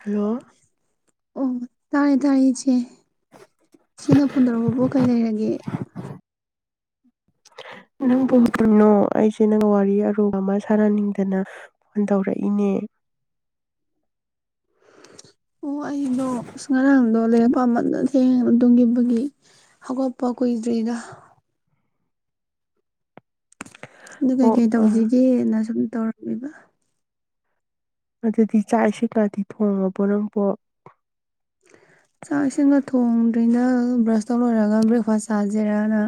hello ꯑꯣ ꯇꯥꯔꯦ ꯇꯥꯥꯏꯔꯦ ꯏꯆꯦ ꯏꯆꯦꯅ ꯐꯣꯟ ꯇꯧꯔꯛꯄꯕꯣ ꯀꯩ ꯂꯩꯔꯒꯦ ꯅꯪꯕꯨꯅꯣ ꯑꯩꯁꯦ ꯅꯪ ꯋꯥꯔꯤ ꯑꯔꯨꯕ ꯑꯃ ꯁꯥꯟꯅꯅꯤꯡꯗꯅ ꯐꯣꯟ ꯇꯧꯔꯛꯏꯅꯦ ꯑꯣ ꯑꯩꯗꯣ ꯑ ꯉꯔꯥꯡꯗꯣ ꯂꯩꯔ ꯄꯥꯃꯟꯗꯅꯦ ꯍꯦꯡ ꯇꯣꯡꯒꯤꯕꯒꯤ ꯍꯧꯒꯠꯄ ꯀꯨꯏꯗ꯭ꯔꯤꯗ ꯑꯗꯨ ꯑꯣ ꯀꯩꯀꯩ ꯇꯧꯁꯤꯒꯦꯅ ꯁꯨꯝ ꯇꯧꯔꯝꯃꯤꯕ ꯑ ꯇꯤ ꯆꯥꯁꯤꯛꯂ ꯊ ꯊꯣ ꯄꯅꯝꯄꯣ ꯔꯤꯗ ꯕ꯭ꯔꯁ ꯇꯧ ꯂꯣꯏꯔꯒ ꯕ꯭ꯔꯦꯛꯐꯥꯁ ꯆꯥꯁꯤꯔꯅ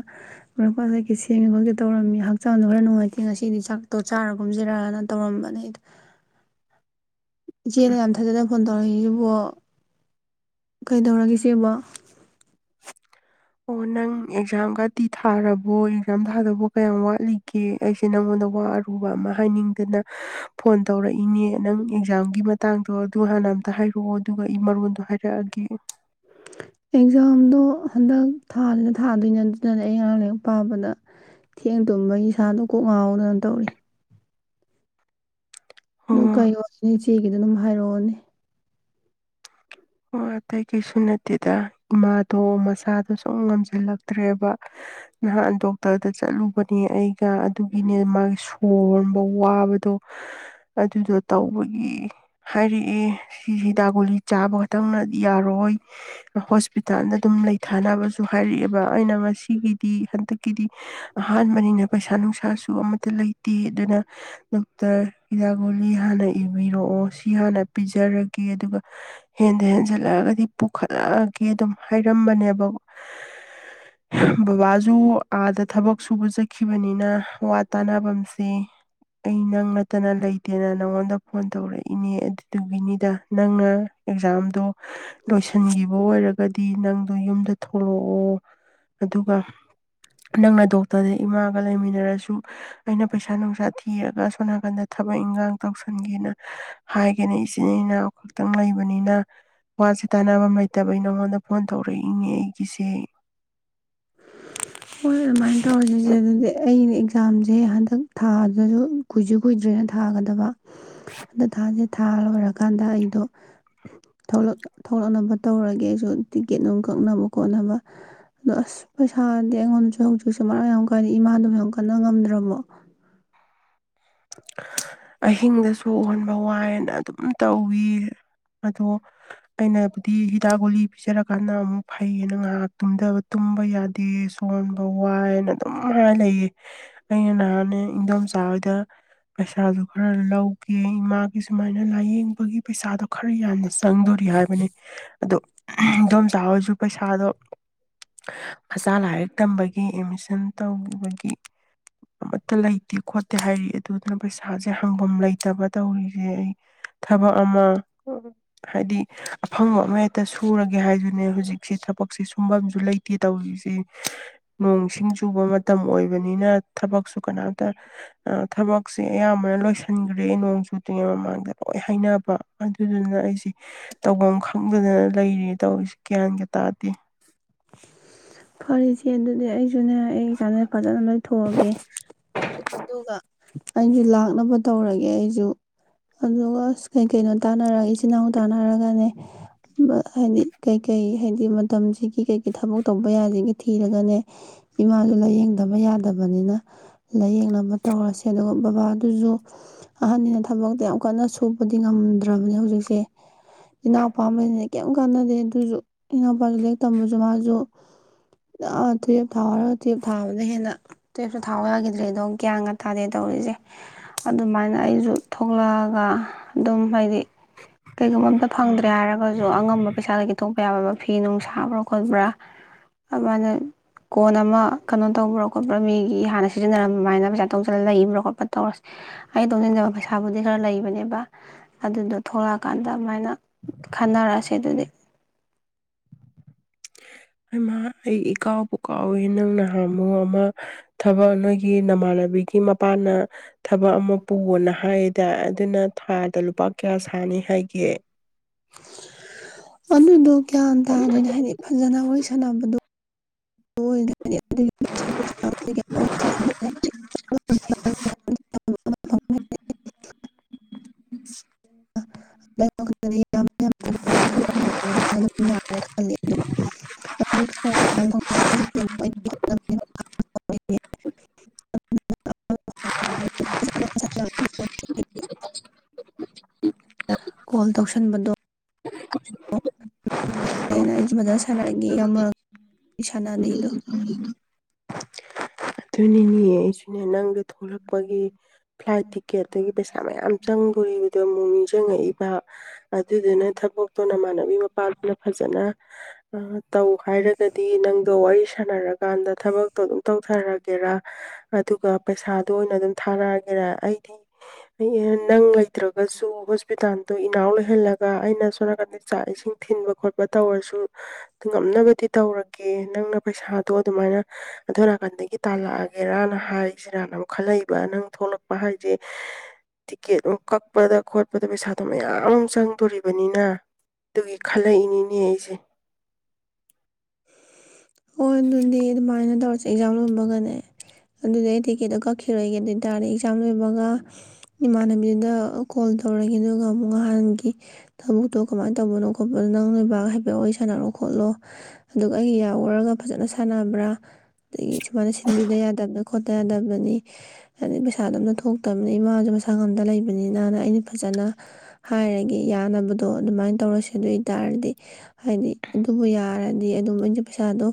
ꯕ꯭ꯔꯦꯛꯐꯥꯁ ꯀꯩꯀꯩ ꯁꯦꯡꯒꯦ ꯈꯣꯠꯀꯦ ꯇꯧꯔꯝꯃꯤ ꯍꯛꯆꯥꯡꯗꯣ ꯈꯔ ꯅꯨꯡꯉꯥꯏꯇꯦ ꯉꯁꯤꯗꯤ ꯆꯥꯛꯇ ꯆꯥꯔꯒꯨꯝꯁꯤꯔꯑꯅ ꯇꯧꯔꯝꯕꯅꯦꯗꯣ ꯌꯦꯅ ꯌꯥꯗꯗ ꯐꯣꯟꯗ ꯇꯧꯔꯁꯤꯕꯣ ꯀꯩꯗꯧꯔꯒꯦ ꯁꯤꯕꯣ ꯑꯣ ꯅꯪ ꯑꯦꯛꯖꯥꯝꯒꯗꯤ ꯊꯥꯔꯕꯣ ꯑꯦꯛꯖꯥꯝ ꯊꯥꯗꯧꯕ ꯀꯌꯥꯝ ꯋꯥꯠꯂꯤꯒꯦ ꯑꯩꯁꯦ ꯅꯪꯉꯣꯟꯗ ꯋꯥ ꯑꯔꯨꯕ ꯑꯃ ꯍꯥꯏꯅꯤꯡꯗꯅ ꯐꯣꯟ ꯇꯧꯔꯛꯏꯅꯦ ꯅꯪ ꯑꯦꯛꯖꯥꯝꯒꯤ ꯃꯇꯥꯡꯗꯣ ꯑꯗꯨ ꯍꯥꯟꯅ ꯑꯝꯇ ꯍꯥꯏꯔꯛꯑꯣ ꯑꯗꯨꯒ ꯑꯩ ꯃꯔꯣꯟꯗꯣ ꯍꯥꯏꯔꯛꯑꯒꯦ ꯑꯦꯛꯖꯥꯝꯗꯣ ꯍꯟꯗꯛ ꯊꯥꯁꯤꯅ ꯊꯥꯗꯣꯏ ꯅ ꯑꯗꯨꯗꯅꯦ ꯑꯩ ꯑꯉꯥꯡ ꯂꯔꯤꯛ ꯄꯥꯕꯗ ꯊꯦꯡ ꯇꯨꯝꯕ ꯏꯁꯥꯗꯣ ꯀꯣꯛ ꯉꯥꯎꯗꯅ ꯇꯧꯔꯤ ꯑꯗꯨ ꯀꯥꯏ ꯑꯣ ꯆꯦꯒꯤꯗ ꯑꯗꯨꯝ ꯍꯥꯏꯔꯛꯑꯣꯅꯦ ꯑꯣ ꯑꯇꯩ ꯀꯩꯁꯨ ꯅꯠꯇꯦꯗ ꯏꯃꯥꯗꯣ ꯃꯁꯥꯗꯣ ꯁꯨꯝ ꯉꯝꯁꯤꯜꯂꯛꯇ꯭ꯔꯦꯕ ꯅꯍꯥꯟ ꯗꯣꯛꯇꯔꯗ ꯆꯠꯂꯨꯕꯅꯦ ꯑꯩꯒ ꯑꯗꯨꯒꯤꯅꯦ ꯃꯥꯒꯤ ꯁꯣꯟꯕ ꯋꯥꯕꯗꯣ ꯑꯗꯨꯗꯣ ꯇꯧꯕꯒꯤ ꯍꯥꯏꯔꯛꯑꯦ ꯁꯤ ꯍꯤꯗ ꯒꯨꯂꯤ ꯆꯥꯕ ꯈꯤꯇꯪꯅ ꯌꯥꯔꯣꯏ ꯍꯣꯁꯄꯤꯇꯥꯜꯗ ꯑꯗꯨꯝ ꯂꯩ ꯊꯥꯅꯕꯁꯨ ꯍꯥꯏꯔꯛꯑꯦꯕ ꯑꯩꯅ ꯃꯁꯤꯒꯤꯗꯤ ꯍꯟꯗꯛꯀꯤꯗꯤ ꯑꯍꯥꯟꯕꯅꯤꯅ ꯄꯩꯁꯥ ꯅꯨꯡꯁꯥꯁꯨ ꯑꯃꯠꯇ ꯂꯩꯇꯦ ꯑꯗꯨꯅ ꯗꯣꯛꯇꯔ ꯍꯤꯗꯒꯣꯂꯤ ꯍꯥꯟꯅ ꯏꯕꯤꯔꯛꯑꯣ ꯁꯤ ꯍꯥꯟꯅ ꯄꯤꯖꯔꯒꯦ ꯑꯗꯨꯒ ꯍꯦꯟꯗ ꯍꯦꯟꯖꯤꯜꯂꯛꯑꯒꯗꯤ ꯄꯨꯈꯠꯂꯛꯑꯒ ꯑꯗꯨꯝ ꯍꯥꯏꯔꯝꯕꯅꯦꯕ ꯕꯕꯥꯖ ꯑꯥꯗ ꯊꯕꯛ ꯁꯨꯕ ꯆꯠꯈꯤꯕꯅꯤꯅ ꯋꯥ ꯇꯥꯅꯐꯝꯁꯦ ꯑꯩ ꯅꯪ ꯅꯠꯇꯅ ꯂꯩꯇꯦꯅ ꯅꯪꯉꯣꯟꯗ ꯐꯣꯟ ꯇꯧꯔꯛꯏ ꯏꯅꯦ ꯑꯗꯨꯒꯤꯅꯤꯗ ꯅꯪꯅ ꯝꯗ ꯂꯣꯏ ꯑꯣꯏꯔ ꯇꯒꯗꯤ ꯅꯪꯗꯣ ꯌꯨꯝꯗ ꯊꯣꯛꯂꯛꯑꯣ ꯑꯗꯨꯒ ꯅꯪꯅ ꯗꯣꯛꯇꯔꯗ ꯏꯃꯥ ꯒ ꯂꯩꯃꯤꯟꯅꯔꯁꯨ ꯑꯩꯅ ꯄꯩꯁꯥ ꯅꯨꯡꯁꯥ ꯊ ꯀꯤꯔꯒ ꯁꯣ ꯅꯥꯀꯟꯗ ꯊꯕꯛ ꯏꯟꯈꯥꯡ ꯇꯧꯁꯟꯒꯦꯅ ꯍꯥꯏꯒꯅꯤ ꯏꯆꯤꯟ ꯏꯅꯥꯎ ꯈꯛꯇꯪ ꯂꯩꯕ ꯅ ꯋꯥꯁꯦ ꯇꯥꯟꯐꯝ ꯂꯩꯇꯕ ꯅꯪꯉꯣꯟꯗ ꯐꯣꯟ ꯇꯧꯔꯛꯏꯉꯦ ꯑꯩꯒꯤꯁꯦ ꯑꯗꯨꯃꯥꯏꯅ ꯇꯧꯔꯤꯦ ꯑꯗꯨꯗꯤ ꯑꯩꯅ ꯑꯦꯛꯖꯥꯝꯁꯦ ꯍꯟꯗꯛ ꯊꯥꯗꯁꯨ ꯀꯨꯏꯁꯨ ꯀꯨꯏꯗ꯭ꯔꯦꯅ ꯊꯥꯒꯗꯕ ꯑꯗ ꯊꯥꯁꯦ ꯊꯥ ꯂꯣꯏꯔꯀꯥꯟꯗ ꯑꯩꯗꯣ ꯊꯣꯛꯂꯛꯅꯕ ꯇꯧꯔꯒꯦ ꯑꯩꯁꯨ ꯇꯤꯛꯀꯦꯠ ꯅꯨꯡꯝ ꯀꯛꯅꯕ ꯈꯣꯠꯅꯕ ꯑꯗꯣ ꯑꯁ ꯄꯩꯁꯥꯗꯤ ꯑꯩꯉꯣꯟꯗꯁꯨ ꯍꯧꯖꯤꯛꯁꯦ ꯃꯔꯥꯡ ꯌꯥꯝ ꯀꯥꯏꯅ ꯏꯃꯥꯗꯨꯕꯨ ꯌꯥꯝ ꯀꯟꯅ ꯉꯝꯗ꯭ꯔꯕꯣ ꯑꯍꯤꯡꯗꯁꯨ ꯑꯣꯟ ꯋꯥꯏꯑꯅ ꯑꯗꯨꯝ ꯇꯧꯋ ꯑꯗꯣ ꯑꯩꯅꯕꯨꯗꯤ ꯍꯤꯗꯥꯛ ꯒꯨꯂꯤ ꯄꯤꯖꯔꯀꯥꯟꯗ ꯑꯃꯨꯛ ꯐꯩꯌꯦꯅ ꯉꯥꯏꯍꯥꯛ ꯇꯨꯝꯊꯕ ꯇꯨꯝꯕ ꯌꯥꯗꯦ ꯁꯣꯟꯕ ꯋꯥꯏꯑꯅ ꯑꯗꯨꯝ ꯍꯥꯏꯅ ꯂꯩꯌꯦ ꯑꯩꯅ ꯅꯍꯥꯟꯅꯦ ꯏꯪꯗꯣꯝ ꯆꯥꯕꯗ ꯄꯩꯁꯥꯗꯨ ꯈꯔ ꯂꯧ ꯀ ꯏꯃꯥꯒꯤ ꯁꯨꯃꯥꯏꯅ ꯂꯥꯏꯌꯦꯡꯕꯒꯤ ꯄꯩꯁꯥꯗꯣ ꯈꯔ ꯌꯥꯟꯖ ꯆꯪꯗꯣꯔꯤ ꯍꯥꯏꯕꯅꯤ ꯑꯗꯣ ꯑꯗꯨꯗꯣꯝ ꯆꯥꯔꯁꯨ ꯄꯩꯁꯥꯗꯣ ꯑꯁꯥꯥꯏꯗꯝꯩ ꯑꯦꯗꯃꯤꯁꯟ ꯇꯧꯈꯤꯕꯒꯤ ꯑꯃꯠꯇ ꯂꯩꯇꯦ ꯈꯣꯠꯇꯦ ꯇ ꯍꯥꯏꯔꯤ ꯑꯗꯨꯅ ꯄꯩꯁꯥꯁꯦ ꯍꯪꯒꯝ ꯂꯩꯇꯕ ꯇꯧꯔꯤꯁꯦ ꯑꯩ ꯊꯕꯛ ꯑꯃ ꯑꯣ ꯍꯥꯏꯗꯤ ꯑꯐꯪꯕ ꯑꯃꯦꯛꯇꯁꯨ ꯁꯨꯔꯒꯦ ꯍꯥꯏꯗꯨꯅꯦ ꯍꯧꯖꯤꯛꯁꯤꯦ ꯊꯕꯛꯁꯦ ꯁꯨꯝꯕꯝꯁꯨ ꯂꯩꯇꯦ ꯇꯧꯔꯤꯁꯤꯦ ꯅꯣꯡ ꯁꯤꯡ ꯆꯨꯕ ꯃꯇꯝ ꯑꯣꯏꯕꯅꯤꯅ ꯊꯕꯛꯁꯨ ꯀꯅꯥꯝꯇ ꯊꯕꯛ ꯁꯦ ꯑꯌꯥꯝꯕꯅ ꯂꯣꯏꯁꯤꯟꯈ꯭ꯔꯦ ꯅꯣꯡ ꯁꯨꯠꯇ꯭ꯔꯤꯉꯩ ꯃꯃꯥꯡꯗ ꯂꯣꯏ ꯍꯅꯕ ꯑꯗꯨꯗꯨꯅ ꯑꯩꯁꯦ ꯇꯧꯐꯝ ꯈꯪꯗꯅ ꯂꯩꯔꯤ ꯇꯧꯁꯤ ꯒ꯭ꯌꯥꯟꯒ ꯇꯥꯗꯦ [unintelligible] ꯐꯔꯦꯆꯦ ꯑꯗꯨꯅꯦ ꯑꯩ ꯑꯩ ꯀꯥꯟ ꯐꯖꯅ ꯂꯣꯏꯊꯣꯛꯑꯒꯦ ꯑꯗꯨꯒ ꯑꯩꯒꯤ ꯂꯥꯛ ꯊꯛꯅꯕ ꯇꯧꯔꯒꯦ ꯑꯩꯁꯨ ꯑꯗꯨꯒ ꯀꯩꯀꯩꯅꯣ ꯇꯥꯅꯔꯒ ꯏꯆꯤꯟꯜ ꯏꯅꯥꯎ ꯇꯥꯟꯅꯔꯒꯅꯦ ꯍꯥꯏꯗꯤ ꯀꯩꯀꯩ ꯍꯥꯏꯗꯤ ꯃꯇꯝꯁꯤꯒꯤ ꯀꯩ ꯊꯕꯛ ꯇꯧꯕ ꯌꯥꯁꯤꯒꯤ ꯊꯤꯔꯒꯅꯦ ꯏꯃꯥꯁꯨ ꯂꯥꯏꯌꯦꯡꯗꯕ ꯌꯥꯗꯕꯅꯤꯅ ꯂꯥꯏꯌꯦꯡꯅꯕ ꯇꯧꯔꯁꯦ ꯑꯗꯨꯒ ꯕꯕꯥꯗꯨꯁꯨ ꯑꯍꯟꯅꯤꯅ ꯊꯕꯛꯇꯣ ꯌꯥꯝ ꯀꯟꯅ ꯁꯣꯛꯄꯗꯤ ꯉꯝꯗ꯭ꯔꯕꯅꯦ ꯍꯧꯖꯤꯛꯁꯦ ꯏꯅꯥꯎꯄꯥꯁꯤꯅꯦ ꯀꯩꯝ ꯀꯥꯟꯅꯗꯦ ꯑꯗꯨꯁꯨꯅꯥꯎ ꯑꯗꯨ ꯃꯥꯁꯨ ꯇꯨꯌꯦꯞ ꯊꯥꯎꯔꯒ ꯇꯨꯌꯦꯞ ꯊꯥꯕꯅ ꯍꯦꯟꯅ ꯇꯨꯌꯦꯞꯁꯨ ꯊꯥꯕ ꯌꯥꯈꯤꯗ꯭ꯔꯦ ꯑꯗꯣ ꯒ꯭ꯌꯥꯟ ꯉꯥ ꯇꯥꯗꯦ ꯇꯧꯔꯤꯁꯦ ꯑꯗꯨꯃꯥꯏꯅ ꯑꯩꯁꯨ ꯊꯣꯛꯂꯛꯑꯒ ꯑꯗꯨꯝ ꯍꯥꯏꯗꯤ ꯀꯩꯒꯨꯝꯕ ꯑꯝꯇ ꯐꯪꯗ꯭ꯔꯦ ꯍꯥꯏꯔꯒꯁꯨ ꯑꯉꯝꯕ ꯄꯩꯁꯥꯗꯒꯤ ꯊꯣꯛꯣꯛꯄ ꯌꯥꯕꯕ ꯐꯤ ꯅꯨꯡ ꯁꯥꯕ꯭ꯔꯣ ꯈꯣꯠꯄ꯭ꯔꯥ ꯑꯗꯨꯃꯥꯏꯅ ꯀꯣꯟ ꯑꯃ ꯀꯩꯅꯣ ꯇꯧꯕ꯭ꯔꯥ ꯈꯣꯠꯄ꯭ꯔꯥ ꯃꯤꯒꯤ ꯍꯥꯟꯅ ꯁꯤꯖꯤꯟꯅꯔꯃꯥꯏꯅ ꯄꯩꯁꯥ ꯇꯣꯡꯁꯤꯜꯂ ꯂꯩꯕ꯭ꯔꯥ ꯈꯣꯠꯄ꯭ꯔꯥ ꯇꯧꯔꯁꯦ ꯑꯩꯅ ꯇꯣꯡꯁꯤꯟꯖꯕ ꯄꯩꯁꯥꯕꯨꯗꯤ ꯈꯔ ꯂꯩꯕꯅꯦꯕ ꯑꯗꯨꯗꯣ ꯊꯣꯛꯂꯛꯑꯀꯥꯟꯗ ꯑꯗꯨꯃꯥꯏꯅ ꯈꯟꯅꯔꯛꯑꯁꯦ ꯑꯗꯨꯗꯤ ꯑꯃ ꯑꯩ ꯏꯀꯥꯎ ꯄꯨ ꯀꯥꯎꯋꯦ ꯅꯪꯅ ꯑꯃꯨ ꯑꯃꯃ ꯊꯕꯛ ꯅꯣꯏꯒꯤ ꯅꯃꯥꯟꯅꯕꯤꯒꯤ ꯃꯄꯥꯅ ꯊꯕꯛ ꯑꯃ ꯄꯨꯑꯣꯣꯅ ꯍꯥꯏꯌꯦꯗ ꯑꯗꯨꯅ ꯊꯥ ꯇ ꯄ ꯀꯌꯥ ꯁꯥꯅꯤ ꯍꯥꯏꯒꯦ ꯑꯅꯗꯨ ꯀꯌꯥꯇ ꯑꯗꯨꯦꯅ ꯍꯥꯏꯗꯤ ꯐꯖꯅ ꯑꯣꯏꯣꯏꯁꯅꯕꯣ [unintelligible] [unintelligible] ꯑ ꯝ ꯌꯥꯔ ꯈ [unintelligible] ꯎꯝ ꯑꯗꯨ [unintelligible] ꯀꯣꯜ ꯇꯧꯁꯟꯕꯗꯣ ꯅ ꯃꯊꯅ ꯁꯥꯟꯅꯔꯒꯦ ꯌꯥꯝ ꯑꯃ ꯅ ꯑꯗꯨꯅꯤꯅꯤ ꯅꯪ ꯊꯣꯛꯂꯛꯄꯒꯤ ꯐ꯭ꯂꯥꯏꯠ ꯇꯤꯛꯀꯦꯠꯇꯒꯤ ꯄꯩꯁꯥ ꯃꯌꯥꯝ ꯆꯪꯗꯣꯔꯤꯕꯗꯣ ꯑꯃꯨꯛ ꯅꯤꯡꯁꯤꯡꯉꯛꯏꯕ ꯑꯗꯨꯗꯨꯅ ꯊꯕꯛꯇꯣ ꯅꯃꯥꯟꯅꯕꯤ ꯃꯄꯥ ꯅ ꯐꯖꯅ ꯇꯧ ꯍꯥꯏꯔꯒꯗꯤ ꯅꯪꯗꯣ ꯋꯥꯔꯤ ꯁꯥꯟꯅꯔꯀꯥꯟꯗ ꯊꯕꯛꯇꯣ ꯑꯗꯨꯝ ꯇꯧꯊꯔꯒꯦ ꯒꯦꯔ ꯑꯗꯨ ꯑꯗꯨꯒ ꯄꯩꯁꯥꯗꯣ ꯑꯣꯏꯅ ꯑꯗꯨꯝ ꯊꯥꯔꯛꯑꯒꯦ ꯑꯣꯏꯒꯔ ꯑꯩꯗꯤ ꯅꯪ ꯂꯩꯇ꯭ꯔꯒꯁꯨ ꯍꯣꯁꯄꯤꯇꯥꯜꯗꯣ ꯏꯅꯥꯎ ꯂꯩꯍꯜꯂꯒ ꯑꯩꯅ ꯑ ꯁꯣ ꯅꯥꯀꯟꯗ ꯆꯥꯛ ꯏꯁꯤꯡ ꯊꯤꯟꯕ ꯈꯣꯠꯄ ꯇꯧꯔꯁꯨ ꯉꯝꯅꯕꯗꯤ ꯇꯧꯔꯒꯦ ꯅꯪꯅ ꯄꯩꯁꯥꯗꯣ ꯑꯗꯨꯃꯥꯏꯅ ꯑꯗꯨꯔꯀꯥꯟꯗꯒꯤ ꯇꯥꯜꯂꯛꯑꯒꯦꯔꯅ ꯍꯥꯏꯔꯤꯁꯤꯔꯅꯨꯛ ꯈꯜꯂꯛꯏꯕ ꯅꯪ ꯊꯣꯛꯂꯛꯄ ꯍꯥꯏꯁꯦ ꯇꯤꯛꯀꯦꯠ ꯑꯃꯛ ꯀꯛꯄꯗ ꯈꯣꯠꯄꯗ ꯄꯩꯁꯥꯗꯣ ꯃꯌꯥꯝ ꯑꯃ ꯆꯪꯗꯣꯔꯤꯕꯅꯤꯅ ꯑꯗꯨꯒꯤ ꯈꯜꯂꯛꯏꯅꯤꯅꯦ ꯑꯩꯁꯦ ꯑꯣ ꯑꯗꯨꯗꯤ ꯑꯗꯨꯃꯥꯏꯅ ꯇꯧꯔ ꯑꯦꯛꯖꯥꯝ ꯂꯣꯏꯕꯒꯅꯦ ꯑꯗꯨꯗꯤ ꯑꯩ ꯇꯤꯛꯀꯦꯠꯇꯣ ꯀꯛꯈꯤꯔꯒꯦ ꯑꯗꯨ ꯑꯣꯏꯇꯥꯔꯗꯤ ꯑꯦꯛꯖꯥꯝ ꯂꯣꯏꯕꯒ ꯏꯃꯥꯟꯅꯕꯤꯗꯨꯗ ꯀꯣꯜ ꯇꯧꯔꯒꯦ ꯑꯗꯨꯒ ꯑꯃꯨꯛ ꯅꯍꯥꯟꯒꯤ ꯊꯕꯛꯇꯣ ꯀꯃꯥꯏꯅ ꯇꯧꯕꯅꯣ ꯈꯣꯠꯄꯅꯣ ꯅꯪ ꯅꯣꯏꯕꯥꯛ ꯍꯥꯏꯐꯦꯠ ꯋꯥꯔꯤ ꯁꯥꯟꯅꯔꯣ ꯈꯣꯠꯂꯣ ꯑꯗꯨꯒ ꯑꯩꯒꯤ ꯇꯧꯔꯒ ꯐꯖꯅ ꯁꯥꯟꯅꯕ꯭ꯔꯥ ꯑꯗꯒꯤ ꯁꯨꯃꯥꯏꯅ ꯁꯤꯟꯕꯤꯗ ꯌꯥꯗꯕꯅ ꯈꯣꯠꯇ ꯌꯥꯗꯕꯅꯤ ꯑꯗꯩ ꯄꯩꯁꯥꯗꯣꯝꯅ ꯊꯣꯛ ꯕꯅꯤ ꯏꯃꯥꯁꯨꯦ ꯃꯁꯥ ꯉꯝꯗ ꯂꯩꯕꯅꯤꯅꯅ ꯑꯩꯅ ꯐꯖꯅ ꯍꯥꯏꯔꯒꯦ ꯌꯥꯅꯕꯗꯣ ꯑꯗꯨꯃꯥꯏꯅ ꯇꯧꯔꯁꯦ ꯑꯗꯨ ꯑꯣꯏꯇꯥꯔꯗꯤ ꯍꯥꯏꯗꯤ ꯑꯗꯨꯕꯨ ꯌꯥꯔꯗꯤ ꯑꯗꯨꯝ ꯑꯩꯅ ꯄꯩꯁꯥꯗꯣ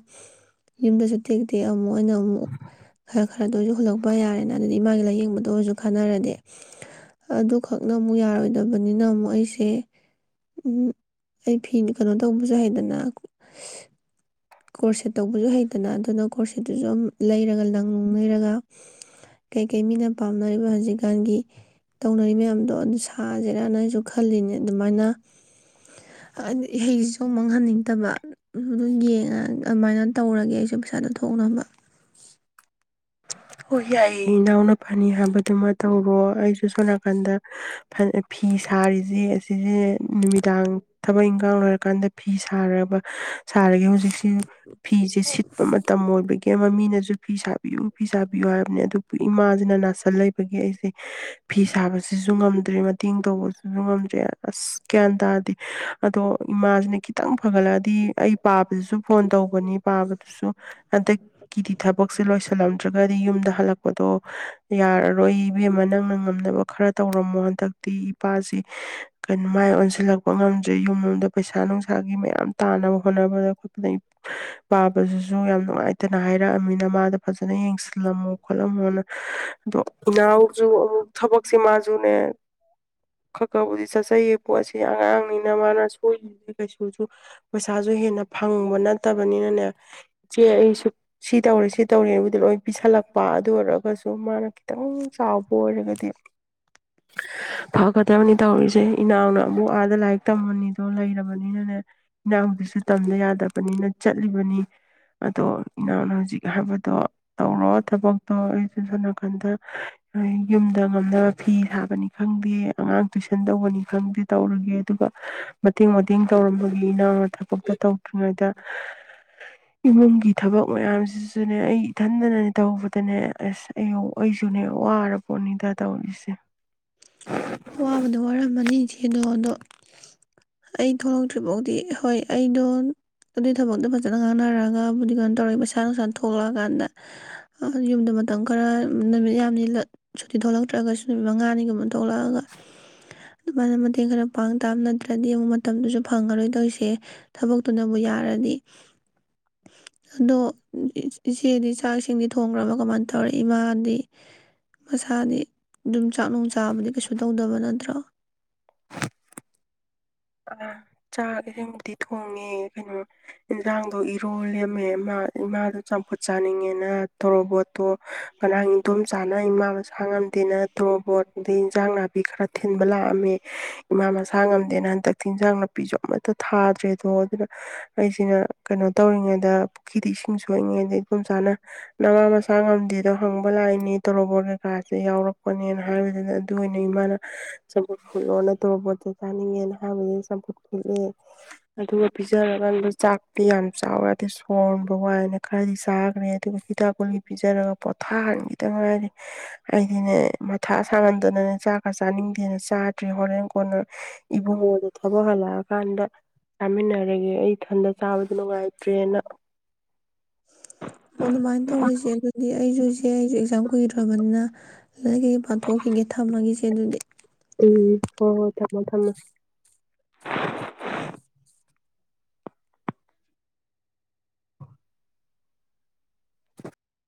ꯌꯨꯝꯗꯁꯨ ꯇꯦꯛꯇꯦꯛ ꯑꯃꯨꯛ ꯑꯣꯏꯅ ꯑꯃꯨꯛ ꯈꯔ ꯈꯔꯗꯁꯨ ꯍꯨꯜꯂꯛꯄ ꯌꯥꯔꯦꯅ ꯑꯗꯨ ꯏ ꯃꯥꯒꯤ ꯂꯥꯏꯌꯦꯡꯕꯗ ꯑꯣꯏꯔꯁꯨ ꯈꯥꯅꯔꯗꯤ ꯑꯗꯨꯈꯛꯅ ꯑꯃꯨꯛ ꯌꯥꯔꯣꯏꯗꯕꯅꯤꯅ ꯑꯃꯨꯛ ꯑꯩꯁꯦ ꯑꯩ ꯐꯤ ꯀꯩꯅꯣ ꯇꯧꯕꯁꯨ ꯍꯥꯏꯗꯅ ꯀꯣꯔꯁꯦꯠ ꯇꯧꯕꯁꯨ ꯍꯩꯇꯅ ꯑꯗꯨꯅ ꯀꯣꯔꯁꯦꯠꯇꯨꯁꯨ ꯑꯗꯨꯝ ꯂꯩꯔꯒ ꯂꯪ ꯅꯨꯡ ꯂꯩꯔꯒ ꯀꯩꯀꯩ ꯃꯤꯅ ꯄꯥꯝꯅꯔꯤꯕ ꯍꯧꯖꯤꯛ ꯀꯥꯡꯒꯤ ꯇꯧꯅꯔꯤ ꯃꯌꯥꯝꯗꯣ ꯑꯗꯨ ꯁꯥꯁꯦ ꯔꯅ ꯑꯩꯁꯨ ꯈꯜꯂꯤꯅꯦ ꯑꯗꯨꯃꯥꯏꯅ ꯍꯥꯏꯗꯤ ꯏꯍꯩꯁꯤꯁꯨ ꯃꯥꯡꯍꯟꯅꯤꯡꯗꯕ ꯑꯗꯨ ꯌꯦꯡꯉ ꯑꯗꯨꯃꯥꯏꯅ ꯇꯧꯔꯒꯦ ꯑꯩꯁꯨ ꯄꯩꯁꯥꯗ ꯊꯣꯛꯅꯕ ꯑꯣ ꯌꯥꯏꯌꯦ ꯏꯅꯥꯎꯅ ꯐꯥꯅꯤ ꯍꯥꯏꯕꯗꯨꯃ ꯇꯧ ꯑꯣ ꯑꯩꯁꯨ ꯁꯣꯝꯅꯥꯀꯟꯗ ꯐꯤ ꯁꯥꯔꯤꯁꯦ ꯑꯁꯤꯁꯦ ꯅꯨꯃꯤꯗꯥꯡ ꯊꯕꯛ ꯏꯪꯈꯥꯡ ꯂꯣꯏꯔꯀꯥꯟꯗ ꯐꯤ ꯁꯥꯔꯕ ꯁꯥꯔꯒꯦ ꯍꯧꯖꯤꯛꯁꯤ ꯐꯤꯁꯦ ꯁꯤꯠꯄ ꯃꯇꯝ ꯑꯣꯏꯕꯒꯤ ꯑ‍ꯦ ꯃꯃꯤꯅꯁꯨ ꯐꯤ ꯁꯥꯕꯤꯌꯨ ꯄꯤ ꯁꯥꯕꯤꯌꯣ ꯍꯥꯏꯕꯅꯦ ꯑꯗꯨꯕꯨ ꯏꯃꯥꯁꯤꯅ ꯅꯥꯁꯜ ꯂꯩꯕꯒꯤ ꯑꯩꯁꯦ ꯐꯤ ꯁꯥꯕꯁꯤꯁꯨ ꯉꯝꯗ꯭ꯔꯦ ꯃꯇꯦꯡ ꯇꯧꯕꯁꯤꯁꯨ ꯉꯝꯗ꯭ꯔꯦ ꯑꯁ ꯒ꯭ꯌꯥꯟ ꯇꯥꯔꯗꯤ ꯑꯗꯣ ꯏꯃꯥꯁꯤꯅ ꯈꯤꯇꯪ ꯐꯒꯠꯂꯛꯑꯗꯤ ꯑꯩ ꯄꯥꯕꯗꯨꯁꯨ ꯐꯣꯟ ꯇꯧꯕꯅꯤ ꯄꯥꯕꯗꯨꯁꯨ ꯍꯟꯗꯛꯀꯤꯗꯤ ꯊꯕꯛꯁꯦ ꯂꯣꯏꯁꯤꯜꯂꯝ ꯅꯠꯇ꯭ꯔꯒꯗꯤ ꯌꯨꯝꯗ ꯍꯜꯂꯛꯄꯗꯣ ꯌꯥꯔꯔꯣꯏ ꯏꯕꯦꯝꯃ ꯅꯪ ꯉꯝꯅꯕ ꯈꯔ ꯇꯧꯔꯝꯃꯣ ꯍꯟꯗꯛꯇꯤ ꯏꯄꯥꯁꯤ ꯀꯩꯅꯣ ꯃꯥꯏ ꯑꯣꯟꯁꯤꯜꯂꯛꯄ ꯃꯃꯥꯡ ꯆꯍꯤꯒꯤ ꯃꯣꯜꯗ ꯄꯩꯁꯥ ꯅꯨꯡꯁꯥꯒꯤ ꯃꯌꯥꯝ ꯇꯥꯅꯕ ꯍꯣꯠꯅꯕꯗ ꯑꯩꯈꯣꯏꯗꯪ ꯄꯥꯕꯗꯨꯁꯨ ꯌꯥꯝ ꯅꯨꯡꯉꯥꯏꯇꯦ ꯅ ꯍꯥꯏꯔꯛꯑꯃꯤꯅ ꯃꯥꯗ ꯐꯖ ꯐꯖꯅ ꯌꯦꯡꯁꯤꯜꯂꯝꯃꯣ ꯈꯣꯠꯂꯝꯃꯣꯅ ꯑꯗꯣ ꯏꯅꯥꯎꯁꯨ ꯑꯃꯨꯛ ꯊꯕꯛꯁꯦ ꯃꯥꯁꯨꯅꯦ ꯈꯕꯨꯗꯤ ꯆꯠꯆꯩꯌꯦ ꯄꯣꯠꯁꯤ ꯑꯉꯥꯡꯅꯤꯅ ꯃꯥꯅꯁꯨ [unintelligible] ꯀꯩꯁꯨ ꯄꯩꯁꯥꯁꯨ ꯍꯦꯟꯅ ꯐꯪꯕ ꯅꯠꯇꯕꯅꯤꯅꯅꯦ ꯏꯆꯦ ꯑꯩꯁꯨ ꯁꯤ ꯇꯧꯔꯦ ꯁꯤ ꯇꯧꯔꯦ ꯂꯣꯏ ꯄꯤꯁꯜꯂꯛꯄ ꯑꯗꯨ ꯑꯣꯏꯔꯒꯁꯨ ꯃꯥꯅ ꯈꯤꯇꯪ ꯆꯥꯎꯕ ꯑꯣꯏꯔꯒꯗꯤ ꯐ ꯀꯗꯕꯅꯤ ꯇꯧꯔꯤꯁꯦ ꯏꯅꯥꯎꯅ ꯑꯕꯨꯛ ꯑꯥꯗ ꯂꯥꯏꯔꯤꯛ ꯇꯝꯃꯅꯤꯗꯣ ꯂꯩꯔꯕꯅꯤꯅꯅꯦ ꯅꯍꯎꯗꯤꯁꯨ ꯇꯝꯗ ꯌꯥꯗꯕꯅꯤꯅ ꯆꯠꯂꯤꯕꯅꯤ ꯑꯗꯣ ꯏꯅꯥꯎꯅ ꯍꯧꯖꯤꯛ ꯍꯥꯏꯕꯗꯣ ꯇꯧꯔꯣ ꯊꯕꯛꯇꯣ ꯑꯩ ꯆꯨꯁꯂꯀꯥꯟꯗ ꯌꯨꯝꯗ ꯉꯝꯅꯕ ꯐꯤ ꯁꯥꯕꯅꯤ ꯈꯪꯗꯦ ꯑꯉꯥꯡ ꯇꯨꯏꯁꯟ ꯇꯧꯕꯅꯤ ꯈꯪꯗꯦ ꯇꯧꯔꯒꯦ ꯑꯗꯨꯒ ꯃꯇꯦꯡ ꯃꯇꯦꯡ ꯇꯧꯔꯝꯕ ꯏꯅꯥꯎꯅ ꯊꯕꯛꯇ ꯇꯧꯗ꯭ꯔꯤꯉꯩꯗ ꯏꯃꯨꯡꯒꯤ ꯊꯕꯛ ꯃꯌꯥꯝꯁꯤ ꯑꯗꯨꯅꯦ ꯑꯩ ꯏꯊꯟꯗꯅꯅꯦ ꯇꯧꯕꯗꯅꯦ ꯑꯁ ꯑꯩ ꯑꯩꯁꯨꯅꯦ ꯋꯥꯔꯕꯣꯠꯅꯤꯗ ꯇꯧꯔꯤꯁꯦ ꯋꯥꯕꯗ ꯋꯥꯔꯝꯃꯅꯤ ꯏꯆꯦꯗꯣ ꯑꯗꯣ ꯑꯩ ꯊꯣꯛꯂꯛꯇ꯭ꯔꯤꯐꯥꯎꯗꯤ ꯍꯣꯏ ꯑꯩꯗꯣ ꯑꯗꯨꯒꯤ ꯊꯕꯛꯇꯣ ꯐꯖꯅ ꯉꯥꯡꯅꯔꯒꯕꯨꯗꯤ ꯀꯩꯅꯣ ꯇꯧꯔꯒ ꯄꯩꯁꯥ ꯅꯨꯡꯁꯥ ꯊꯣꯛꯂꯛꯑꯀꯥꯟꯗ ꯌꯨꯝꯗ ꯃꯇꯝ ꯈꯔ ꯅꯨꯃꯤꯠ ꯌꯥꯝꯅꯤ ꯁꯨꯇꯤ ꯊꯣꯛꯂꯛꯇ꯭ꯔꯒꯁꯨ ꯅꯨꯃꯤꯠ ꯃꯉꯥꯅꯤꯒꯨꯝꯕ ꯊꯣꯛꯂꯛꯑꯒ ꯑꯗꯨꯃꯥꯏꯅ ꯃꯇꯦꯡ ꯈꯔ ꯄꯥꯡ ꯇꯥꯕ ꯅꯠꯇ꯭ꯔꯗꯤ ꯑꯃꯨꯛ ꯃꯇꯝꯗꯨꯁꯨ ꯐꯪꯉꯔꯣꯏ ꯇꯧꯁꯦ ꯊꯕꯛꯇꯨꯅꯕꯨ ꯌꯥꯔꯗꯤ ꯑꯗꯣ ꯏꯆꯦꯗꯤ ꯆꯥꯛꯁꯤꯡꯗꯤ ꯊꯣꯡꯈ꯭ꯔꯕ ꯀꯃꯥꯏꯅ ꯇꯧꯔ ꯏꯃꯥꯗꯤ ꯃꯁꯥꯗꯤ ꯑꯗꯨꯝ ꯆꯥꯛ ꯅꯨꯡ ꯆꯥꯕꯗꯤ ꯀꯩꯁꯨ ꯇꯧꯗꯕ ꯅꯠꯇ꯭ꯔꯣ ꯑ ꯆꯥꯛ ꯏꯃꯤ ꯊꯣꯡꯉꯦ ꯀꯩꯅꯣ ꯏꯟꯁꯥꯡꯗꯣ ꯏꯔꯣ ꯂꯦꯝꯃꯦ ꯏꯃꯥꯗꯣ ꯆꯝꯐꯨꯠ ꯆꯥꯅꯤꯡꯉꯦꯅ ꯇꯣꯔꯣꯕꯣꯠꯇꯣ ꯀꯅꯥꯥꯡ ꯏꯗꯣꯝ ꯆꯥꯅ ꯏꯃꯥ ꯃꯁꯥ ꯉꯝꯗꯦꯅ ꯇꯣꯔꯣꯕꯣꯠ ꯑꯩ ꯏꯟꯖꯥꯡ ꯅꯥꯄꯤ ꯈꯔ ꯊꯤꯟꯕ ꯂꯥꯛꯑꯝꯃꯦ ꯏꯃꯥ ꯃꯁꯥ ꯉꯝꯗꯦꯅ ꯍꯟꯇꯛꯇ ꯆꯤꯟꯖꯥꯡ ꯅꯥꯄꯤꯁꯨ ꯑꯃꯠꯇ ꯊꯥꯗ꯭ꯔꯦꯗꯣ ꯑꯗꯨꯅ ꯑꯩꯁꯤꯅ ꯀꯩꯅꯣ ꯇꯧꯔꯤꯉꯩꯗ ꯄꯨꯈ꯭ꯔꯤꯗ ꯏꯁꯤꯡ ꯁꯣꯛꯏꯉꯩꯗ ꯏꯝ ꯆꯥꯅ ꯅꯅꯥꯥ ꯃꯆꯥ ꯉꯝꯗꯦꯗꯣ ꯍꯪꯕ ꯂꯥꯛꯏꯅꯦ ꯇꯣꯔꯣꯕꯣꯔꯠ ꯀꯩꯀꯥꯁꯦ ꯌꯥꯎꯔꯛꯄꯅꯦꯅ ꯍꯥꯏꯕꯗꯨꯗ ꯑꯗꯨ ꯑꯣꯏꯅ ꯏꯃꯥꯅ ꯆ ꯐꯨ ꯂꯣꯟꯅ ꯇꯧꯕ ꯄꯣꯠꯇ ꯆꯥꯅꯤꯡꯉꯦꯅ ꯊꯕ ꯆꯄꯨꯠ ꯐꯦ ꯑꯗꯨꯒ ꯄꯤꯖꯔꯀꯥꯟꯗ ꯆꯥꯛꯇꯤ ꯌꯥꯝ ꯆꯥꯎꯔꯗꯤ ꯁꯣꯟꯕ ꯋꯥꯏꯅ ꯈꯔꯗꯤ ꯆꯥꯈ꯭ꯔꯦ ꯑꯗꯨꯒ ꯍꯤꯗꯥꯛ ꯀꯨꯂꯤ ꯄꯤꯖꯔꯒ ꯄꯣꯊꯥꯍꯟꯈꯤꯗꯪ ꯉꯗꯤ ꯑꯩꯗꯤꯅꯦ ꯃꯊꯥ ꯁꯥꯡꯍꯟꯗꯅꯅꯦ ꯆꯥꯛ ꯈꯔ ꯆꯥꯅꯤꯡꯗꯦꯅ ꯆꯥ ꯔꯤ ꯍꯣꯔ ꯀ ꯃꯉꯣꯗ ꯊꯕꯛ ꯍꯜꯂꯛꯑꯀꯥꯟꯗ ꯆꯥꯃꯤꯟꯅꯔꯒꯦ ꯑꯩ ꯏꯊꯟꯗ ꯆꯥꯕ ꯅꯨꯡꯉꯥꯏ ꯑꯣ ꯑꯗꯨꯃꯥꯏꯅ ꯇꯧꯔꯨꯁꯦ ꯑꯗꯨꯗꯤ ꯑꯩꯁꯨꯨꯁꯦ ꯑꯩꯁꯨ ꯑꯦꯛꯖꯥꯝ ꯀꯨꯏꯔꯕꯅꯤꯅ ꯑꯗꯨꯗꯒꯤꯩ ꯄꯥꯊꯣꯛꯈꯤꯒꯦ ꯊꯝꯃꯒꯤꯁꯦ ꯑꯗꯨꯗꯤ ꯎꯝ ꯍꯣꯏ ꯍꯣꯏ ꯊꯝꯃꯣ ꯊꯝꯃꯣ